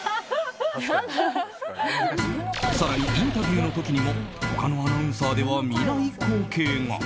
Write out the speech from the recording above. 更に、インタビューの時にも他のアナウンサーでは見ない光景が。